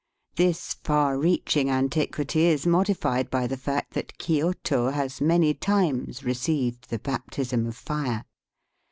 This far reaching antiquity is modified by the fact that Kioto has many times received the baptism of fire.